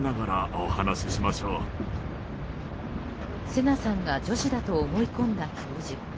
聖奈さんが女子だと思い込んだ教授。